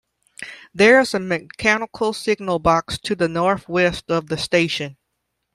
There is a mechanical signal box to the north west of the station.